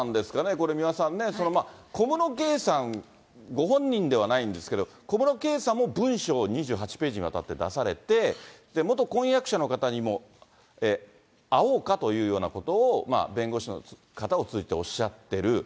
これ、三輪さんね、小室圭さんご本人ではないんですけど、小室圭さんも文書を２８ページにわたって出されて、元婚約者の方にも会おうかというようなことを弁護士の方を通じておっしゃってる。